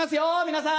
皆さん。